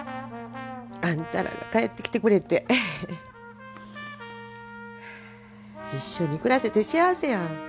あんたらが帰ってきてくれて一緒に暮らせて幸せや。